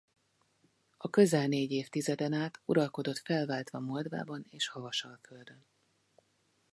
A közel négy évtizeden át uralkodott felváltva Moldvában és Havasalföldön.